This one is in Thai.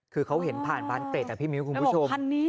คือเขาเห็นผ่านทรัลเดรตนะพี่มิ้วคุณผู้ชม